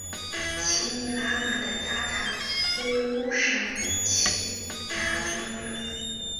席尼喇嘛的家产归乌审旗衙门所有。